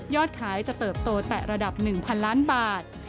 ขายจะเติบโตแต่ระดับ๑๐๐ล้านบาท